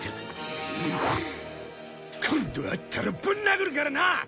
今度会ったらぶん殴るからな！